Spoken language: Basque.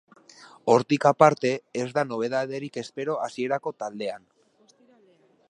Hortik aparte, ez da nobedaderik espero hasierako taldean.